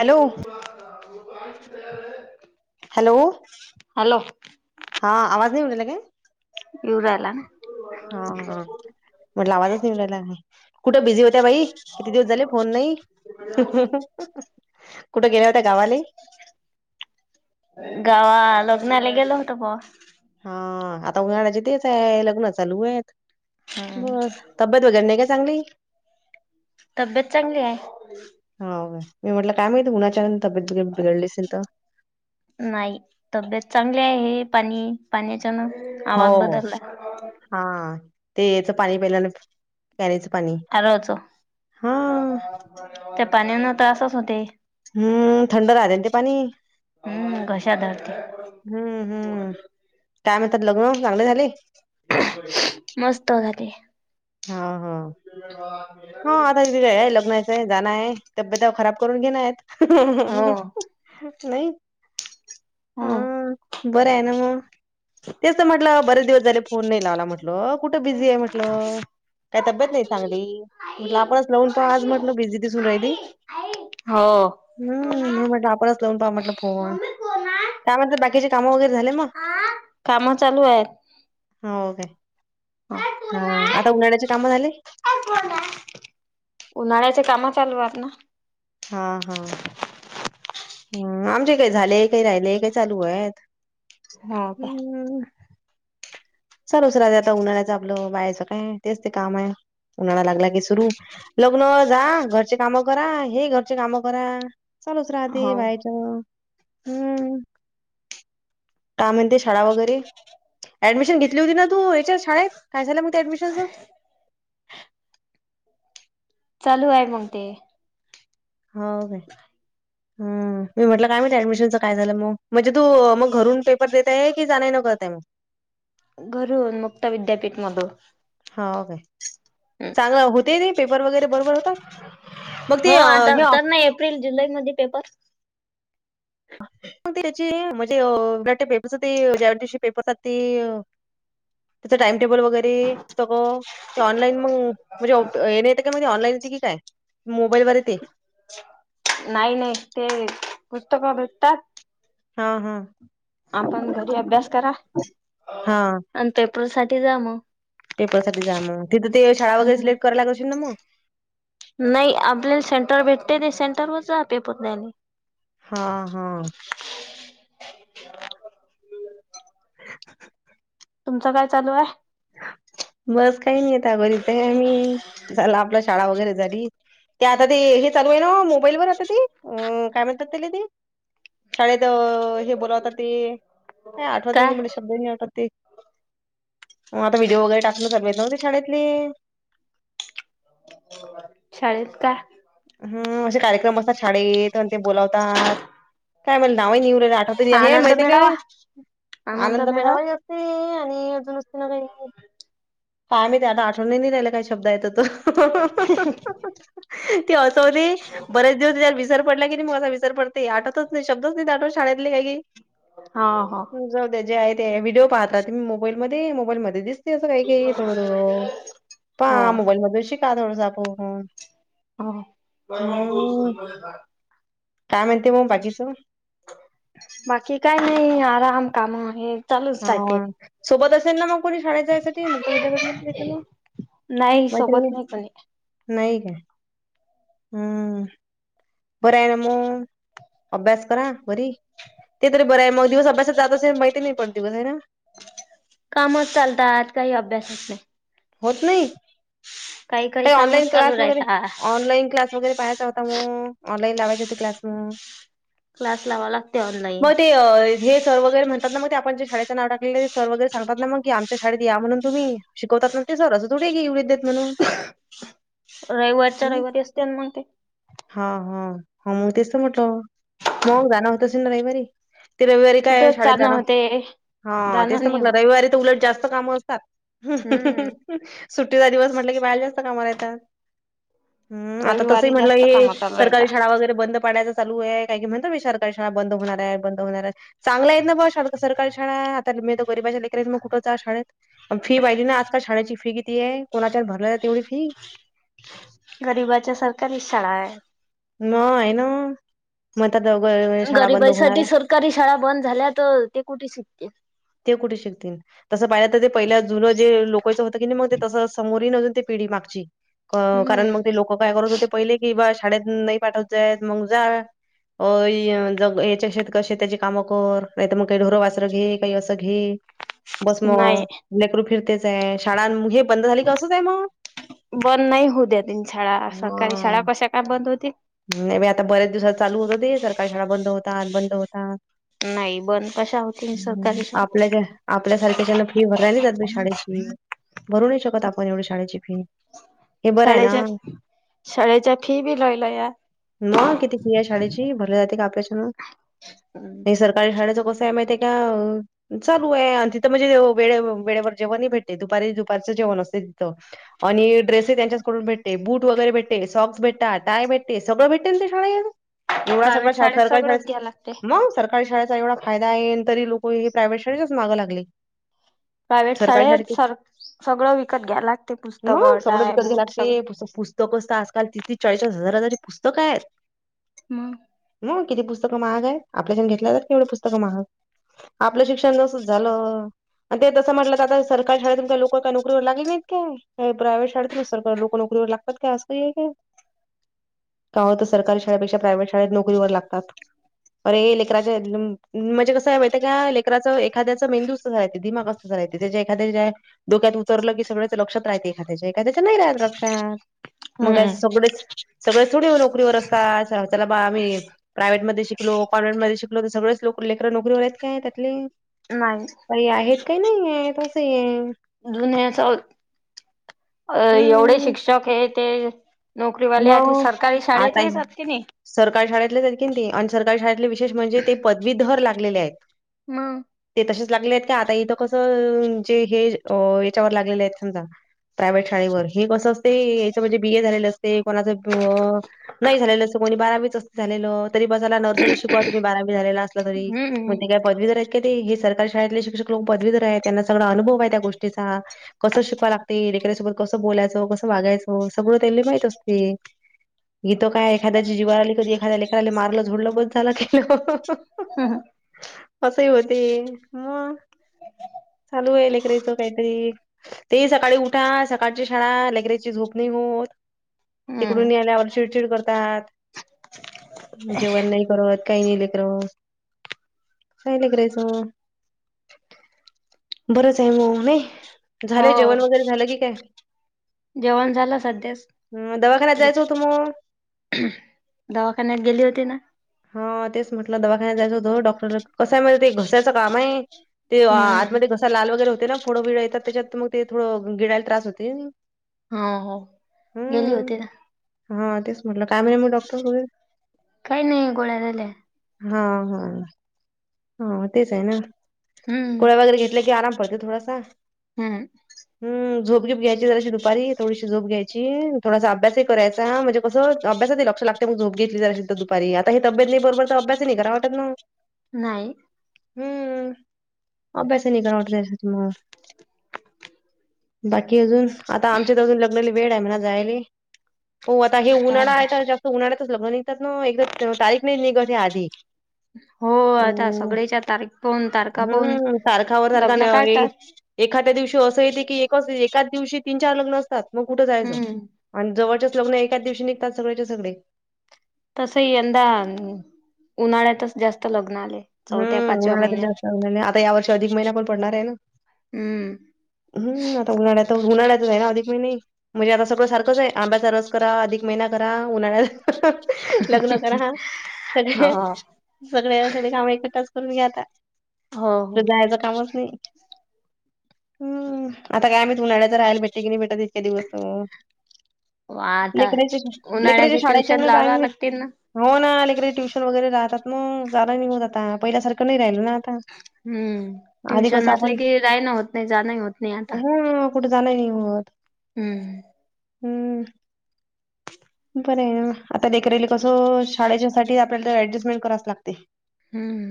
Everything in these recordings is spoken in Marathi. हॅलो. काय तयाार आहे. हॅलो. हॅलो. हा आवाज नाही येऊन राहिला काय? येऊन राहिला. हा म्हटलं आवाजच नाही येऊन राहिला. कुठं बिझी होत्या बाई, किती दिवस झाले फोन नाही. कुठे गेल्या होत्या गावाले? गावा लग्नाला गेला होता का. हा आता उन्हाळ्याचे तेच आहे, लग्न चालू आहेत हम्म. बस. तब्येत वगैरे नाही का चांगली? तब्येत चांगली आहे. हम. हो मी म्हटलं काय माहिती उन्हाच्याहेनं तब्येत ब बिघडली असेल तर. नाही तब्येत चांगली आहे, हे पाणी पाण्याच्यान. हो, आवाज बदलला हा ते याच पाणी पिल्यान. अरवच हा त्या पाणीन्यान तर असच होतय. हम्म थंड राहते ते पाणी. हम्म घसा धरत. हम्म, हम्म, काय म्हणतात लग्न चांगले झाले. मस्त झाली हा. हा वारे [unintelligible] जाण आहे, तब्येत खराब करून घेणय आहेत, हो नाही. हा. बर आहे ना मग, तेच म्हटलं बरेच दिवस झाले फोन नाही लावला म्हटल, कुठं बिझी आहे म्हटलं. काही तब्येत नाही चांगली, म्हटलं आपणच लावून पहावं आज म्हटलं बिझी दिसून राहिली. हो. हम्म, मग म्हटल आपणच लावून पाहाव म्हटलं फोन. मम्मी कोण काय म्हणता, बाकीचे काम वगैर झाले? मग काम चालू आहेत. हो काय. आई हा कोण हाय. आता उन्हाळ्याचे कामं झाले उन्हाळ्याचे काम चालू आहेत ना. हा हा. हम्म, आमचे काही झाले. काही राहिले. काही चालू आहेत. हो का? हम्म चालूच राहते आता उन्हाळायचं आपलं बायाचं काय तेच ते कामय ना. उन्हाळा लागला की सूरु. लग्न जा घरचे कामं करा. हे घरचे कामं करा. चालूच राहते हो बायच. हम्म. काय म्हणते शाळा वगैरे? ऍडमिशन घेतली होती ना तू याच्यात शाळेत? काय झालं म त्या ऍडमिशनचं? चालू आहे मग ते. हो काय? ह मी म्हटलं काय माणती ऍडमिशनचं काय झालं मग? म्हणजे तू मग घरून पेपर देतय की जाण येन करतेय म? घरून मुक्त विद्यापीठ मधून. हाव काय? चांगलं होते ते. पेपर वगैरे बरोबर होतात. मग हो ते आता तर नाही. एप्रिल जुलैमध्ये पेपर. त्याची म्हणजे अ पेपरच ते ज्या दिवशी पेपर असता ते त्याच टाइम टेबल वगैरे सगळ? ते ऑनलाईन मग, म्हणजे येने येत का मग ते ऑनलाईन की काय मोबाईल वर येते? नाही नाही ते पुस्तकं भेटतात. हा हा. आपण घरी अभ्यास करा. हा आणि पेपर साठी जा म. पेपर साठी जा म. तिथं ते शाळा वगैरे सिलेक्ट कराय लागायची ना म. नाही आपल्याला सेंटर भेटते. ते सेंटर वर जा पेपर द्यायला. हा हा. तुमचं काय चालूये? बस काही नाही आता. घरीचय आम्ही. झाल आपला शाळा वगैरे झाली. ते आता ते हे चालूय ना ओ. मोबाईल वर आता ते. अ काय म्हणतात त्याला ते? शाळेत हे बोलावता ते. काय आठवतही काय? नाही मले शब्दही नाही आठतते. म आता व्हिडिओ वगैरे टाकन चालूयेत नाव मग ते शळेतले. होय. शाळेेत काय? हम्म, असे कार्यक्रम असतात शाळेत. अन ते बोलावतात. काय म्हले नावाय नही येऊ लागले आठवत हे. आनंद माहितीय मेळावा काय? आनंद मिळावा. ते आणि अजून असते ना काही? काय माहित आता आठवण नाही राहिला काय शब्द आयते तो. [unintelligible] ते अस होती. बरेच दिवस झाले विसर पडला की नाही. म असा विसर पडते. आठतच नाही शब्च नाही आठतच शाळेतले काही काही. हा ह. जाऊदे जे आहे ते आहे. व्हिडिओ पाहतात ते मी मोबाईल मध्ये. मोबाईलमध्ये दिस तेच अस काही काही थोडं थोडं. हो पहा मोबाईल मधून शिका थोडस आपून. ह मग [unintelligible] [unintelligible] काय म्हणती मग बाकीच? बाकी काय नाही. आराम काम हे. चालूच राहते हाव. सोबत असेल ना मग कोणी शाळांतजायसाठी म. मुक्तविठ्यापीठ ना? नाही सोबत नाही कोणी. नाही काय? हम्म. बराय न म. अभ्यास करा घरी ते तरी बरयं मग दिवस अभ्यासत जात असेल माहिती नाही पण दिवस आहे ना? कामच चालतात काही अभ्यासच नायी. होत नयी काही काही कायी ऑनलाईन कामच चालू क्लास वगैरे, राहता ऑनलाईन क्लास वगैरे पाहायचा हो अहो ऑनलाईन लावायची होती क्लास? मग क्लास लावा लागते ऑनलाईन म ते अं ए हें सर वगैर म्हणतात नां मग ते आपण जे शाळेचे नाव टाकलेले ते सर वगैरे सांगतात नां म की? आमच्या शाळेत या म्हणून तुम्ही? शिकवतात ना ते सर असं थोडयी घे एवढ देत म्हणून रविवारच्या रविवारी असते अन् मग ते हां हां हां! मं तेच तर म्हटलं मग जाण होत असेलनां रविवारी? तें रविवारी काय कुठेच शाळेेत जाणं! होते हा जाणं तेच तर नाही म्हटलं? होत रविवारी. ती उलट जास्त कामं असतात हम्म [inaudible] सुट्टीचा दिवस म्हटलं की बाहेर जास्त च कामाला येतात, हुं आता तस ही रविवारी म्हटलं जास्त हे काम चालू राहता सरकारी शाळा वगै ते बंद पाडायचा चालूयं काय की, म्हणतात बीई सरकारी शाळा बंद होणारयं बंद होणारयंत चांगलंयेंत ना बुवा सारक सरकारी शाळा आता मे तो तर गरीबाच्यालेकरसनों कुठं च जा शाळेत. पण फी पाहिली नां आजकाल शाळेची फी, कितीयें कोणाच्यात भरोल्यात एवढी फी. गरीबाच्या सरकारी शाळायं. नयं ना, म्हणतात द ब‌ शाळा बंद गरिबाईसाठी होणारयं. सरकारी शाळा बंद झाल्या तर ते कुठे शिकतील? ते कूठे शिकतीन? तसं पाहिलं तर ते पहिला जुनं जे लोकयचं होत की मग ते तसं समोरही न अजून ते पिढी मागची. अं कारण मग हम्म ते लोक काय करत होते पहिले की, बाळ शाळेत नाही पाठवचेत मग जा अयं जग याच्या शेताक शेताची कामं कर नाही तर मग काही ढोरं वासरं घे कायी असं घे बस म नाही लेकरू फिरतेचयं शाळानं हे बंद झाले का असचयं म. बंद नाही हु द्या तेनं शाळा सरकारी शाळा कशा काय बंद होतील. नायी बाई आता बऱ्याच दिवसात चालू होतं दे सरकारी शाळा बंद होतात बंद होतात. नायी बंद कशा होती? सरकारी शाळा.. आपल्यासारख्याच्यान फी भरायलजातनाई शाळेची भरू नायी शकत आपण एवढी शाळेची फी. हे बरं आहे ना. शाळेच्याच शाळेच्या फी बी लय लया? मग किती फी हाय शाळेची भरला जाते का आपल्याच्यानं? आं. हे सरकारी शाळेच कसंयंमाहितेय का? चालूयं, तिथं म्हणजे, वेळे वेळेवर जेवणही भेटते. दुपारी दुपारारीचं जेवण असते तिथं. आणि ड्रेसे त्यांच्याचकडून भेटते बूट वगैरे भेटते. सॉक्स भेटा टाय भेटते सगळं भेटते ना ते शाळे एवढाच आपला प्रायव्हेट छा सरकारी सगळंच शाळेत घ्या लागते मग सरका कारी शाळेचा एवढा फायदा हाये अन तरी लोक हे प्रायव्हेट शाळेच्याच मागं लागले. प्रायव्हेट सरकारी शाळेत शाळेची सर सगळं विकत घ्याल लागते पुस्तकं, टाय, बूट सगळं. तो पुस्तक आज काल तीस, तीस चाळीस, चाळीस हजाराची पुस्तक हायत. हुं. मग किती पुस्तक महागायत आपल्याच्यान घेतलाजात का एवढे पुस्तकं महाग आपलं शिक्षण जसंच झालं आणि ते तस म्हटलं आता सरकारी शाळेतून काय लोक काय नोकरीवर लागले नाहीत काय? काय प्रायव्हेट शाळेतुन सरकारी लोक नोकरीवर लागतात काय असंय काही हाय काय? कां होतं सरकारी शाळेपेक्षा प्रायव्हेट शाळेत नोकरीवर लागतात. अरे ए लेकराच्या [unintelligible] म्हणजे कसंये मा तेकाय लेकराचं एखाद्याचं मेंदूच तसंयं दिमाग असं सराय त्याच्या एखाद्या ज्या डोक्यात उतरलं की सगळ्याच लक्षात राहते एखाद्याच्या. एखाद्याचं नाही राहत लक्षात. मग काय हम्म सगळेच सगळेच थोडे नोकरीवर असतात, त्याला बा आम्ही. प्रायव्हेटमध्ये शिकलो कॉन्व्हेंट मध्ये शिकलो, तर सगळेच लोक, लेकर नोकरीवर आहेत काय त्यातली? नाही. काही आहेत, काही नाही आहेत असं हे‌. जुने असोत अ एवढे हं. शिक्षक हे ते पहले आथे मग सरकारी आता हे शाळेतलेच आहात की नाही. सरकारी शाळेतलेच आहेत की ते, आणि सरकारी शाळेतले विशेष म्हणजे ते पदवीधर लागलेले आहेत. मंग ते तसेच लागले आहेत का आता? इथं कसं जे हे याच्यावर लागलेले आहेत, समजा प्रायव्हेट शाळेवर हे, कसं अस ते याच म्हणजे बीए झालेलं असते कोणाचं अ नाही झालेलं असत, कोणी बारावीच असत झालेलं. तरी बसायला नर्सरी शिकवा तुम्ही बारावी झाला असला तरी, मग हम्म ते काय? पदवीधर आहेत का ते, हे सरकारी शाळेतले शिक्षक लोक पदवीधर आहेत. त्यांना सगळा अनुभव आहे त्या गोष्टीचा. प कसं शिकवा लागते, लेकरासोबत कसं बोलायचं, कसं वागायचं सगळं त्यांला लय माहित असते. इथ काय एखाद्याची जीवार आली, कधी एखाद्याला एखाला मारलं, झोडलं बस झाला त हम्म हम्म! असं ही होते, मग चालू आहे लेकराच काहीतरी ते सकाळी उठा, सकाळची शाळा, लेकराची झोप नाही होत. हम्म तिकडून आल्यावर चिडचिड करतात, जेवण नाही करत. काही नाही लेकर, काय नाही करायचं? बरच आहे वो मम्मे. हो झालंय जेवण वगैरे झालं की काय? जेवण झालं सध्यास. अ दवाखान्यात जायचं होतं मग दवाखान्यात गेली होती ना? हा तेच म्हटलं दवाखान्यात जायचं होतं, डॉक्टरला कसय माहिती ते घशाचं काम आहे. ते हम्म आतमध्ये घसा लाल वगैरे होते ना फोड बिड येतात, त्याच्यात मग ते थोडं गिळायला त्रास होते. हा हो गेली हम्म होती ना. हा तेच म्हटलं, काय म्हणे डॉक्टर बोलले. काही नाही, गोळ्या दिल्या. हा हा. हा तेच हे ना हम्म गोळ्या वगैरे घेतल्या की आराम पडते थोडासा. हम्म. हझोप घीप घ्यायची जराशी दुपारी थोडीशी झोप घ्यायची थोडासा अभ्यासही करायचा म्हणजे कस अभ्यासत ही लक्ष लागते झोप घेतली जराशी दुपारी. आता हे तब्येत नाही बरोबर तर अभ्यास नाही करावा वाटत ना. नाही. हू अभ्यास नाही करावा वाटत, याच्यासमोर. बाकी अजून, आता आमच्यात अजून लग्नाला वेळ आहे म्हणा जायला. हो आता हे हो उन्हाळा काय? आहेता जास्त उन्हाळ्यातच लग्न निघात ना. एकदा तारीख नाही निघत हे आधी. हो, आता अं सगळेच्या तारीख पाहून तारखा पाहून हं, तारखावर तारखा लग्न नाही ए काढतात. एखाद्या दिवशी असं येते की, एक असं एक. एकाच दिवशी तीन चार लग्न असतात. मग कुठं जायचं? हम्म आणि जवळचेच लग्न एकाच दिवशी निघतात सगळ्याच्या सगळे. तसही, यंदा उन्हाळ्यातच जास्त लग्न आले. हू चौथ्या उ पाचव्या उन्हाळ्यातच महिन्यात जास्त असणार. आता या वर्षी अधिक महिना पण पडणार हे ना? हम्म हू आता उन्हाळ्यात उन्हाळ्याच आहे ना, अधिक महिना येईल. म्हणजे आता सगळं सारखंच हे. आंब्याचा रस करा, अधिक महिना करा उन्हाळ्याला. ह ह लग्न करा, सगळे हो सगळे्या सगळे काम इथंच करून घ्या आता, हो कुठे हो जायचं कामच नाही. हम्, आता काय आम्ही उन्हाळ्याच राहाल भेटे की नाही भेटत इतके दिवस हो. आता लेकराच्या लेकराच्या उन्हाळ्याचे शाळेच्या ट्युशन हेन बाहेर लावा नाही. लागतील ना हो ना अलीकडे ट्युशन वगैरे राहतात न, जायला नाही होत आता, पहिल्यासारखं नाही राहिल ना आता. हम्म, आधी ट्युशन कसं आपण असले की रायना होत नाही जाण ही होत नाही आता. कुठ जाणं ही नाही होत. हम्म. हम्म. बर आहे ना, आता लेकरेली कसं शाळेच्या साठी आपल्याला तर ऍडजेस्टमेंट करावच लागते. हम्म.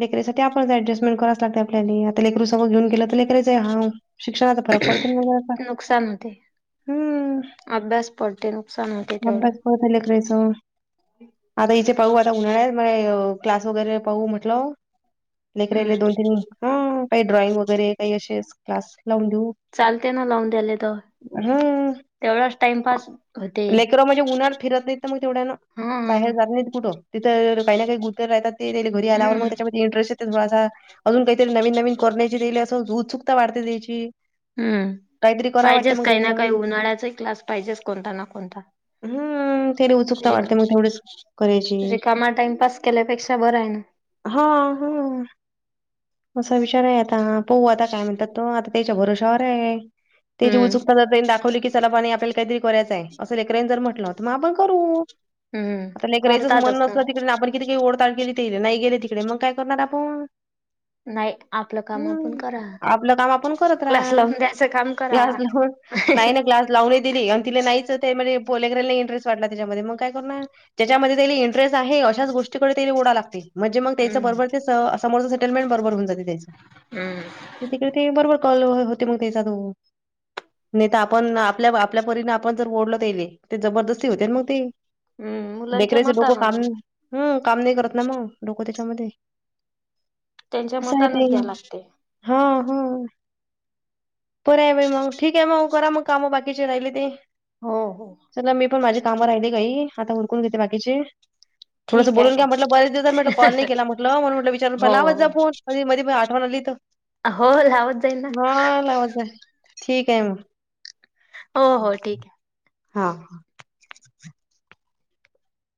लेकरीसाठी आपणच ऍडजेस्टमेंट करावच लागते आपल्याले, आता लेकरू सोबत घेऊन गेलो तर लेकराचे हाव. शिक्षणात फरक पडते [unintelligible] म आता. नुकसान होते हम्म, अभ्यास पडते नुकसान होते तेवढं [unintelligible] आता हिचे पाहू आता उन्हाळ्यात क्लास वगैरे पाहू म्हटलं हम्म लेकराले दोन, तीन हम्म काही ड्रॉइंग वगैरे काही असेच क्लास लावून देऊ. चालते ना लावून द्याले तर. हम्म. तेवढाच टाइमपास होते लेकर म्हणजे उन्हात फिरत नाही तर म तेवढ्या न हम्म बाहेर जात नाहीत कुठं. तिथ काही ना काही गुतर राहतात ते घरी आल्यावर हम्म मग त्याच्यामध्ये इंटरेस्ट [unintelligible] अजून काहीतरी नवीन नवीन कोरण्याची देले अस उत्सुकता वाढते तेची. हम्म, पाहिजेच काही ना त्याला काही नवीन उन्हाळ्याचाही क्लास पाहिजेच कोणता ना कोणता. हम्म त्याला उत्सुकता रिक वाढते मग तेवढेच करायची रिकामा टाइमपास केल्यापेक्षा बरं आय ना. हा हां. असा विचार आय आता, पाहू आता काय म्हणतात तो आता त्याच्या भरोश्यावर आहे. ते जी हम्म उत्सुकता त्यांनी दाखवली की सला पानी आपल्याला काहीतरी करायचंय असं लेकराईनी जर म्हटलं तर म आपण करू. हम्म आता लेकरायचंच मन करतातच ना नसलं तिकडे आन आपण किती काही ओढतान केेली तरी नाही गेले तिकडे मग काय करणार आपण? नाही आपलं काम आपण हम्, करा आपलं काम आपण करत क्लास राहा, लावून द्यायचं काम करा लाज नाही ना क्लास लावून दिली आणि तिला नाहीच ते म्हणजे पोले लेकराला इंटरेस्ट वाटला त्याच्यामध्ये मग काय करणार? ज्याच्यामध्ये त्याला इंटरेस्ट आहे अशाच गोष्टीकडे त्या ओढा ला म्हणजे मग तेचं हम्म बरोबर ते समोरंच सेटलमेंट बरोबर होन जाते ते. हम्म. तिकडे ते बरोबर कॉल होते म त्याचा तो. नाही तर आपण आपल्या- आपल्या परीने आपण जर ओढल तयेले ते जबरदस्ती होते मग ते. हम्म मुलांच्या लेकराचे डोकं मतानं काम मग हम काम नाही करत ना म डोक त्याच्यामध्ये, त्यांच्या असं आहे ते. मतानच घ्या लागते हा हं. बर आहे बाई मंग ठीके म करा म काम बाकीचे राहिले ते. हो हो चला मी पण माझ्या काम राहिली गई, आता उरकून घेते बाकीचे. थोडस ठीक बोलून आहे घ्या म्हटलं बरेच दिवस कॉल नाही केला म्हटलं, म्हणून म्हटलं विचार हो लावत हो जा फोन मधी -मधी आठवण आली तर. हो लावत जाईल ना हा लावत जाईल. ठिक आहे मग हो हो ठीक आहे हा.